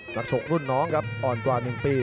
นักชกรุ่นน้องครับอ่อนกว่า๑ปี